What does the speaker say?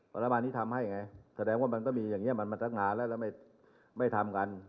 ประมาณนี้ทำให้ไงแสดงว่ามันต้องมีอย่างนี้มันจัดงานแล้วไม่ทำกัน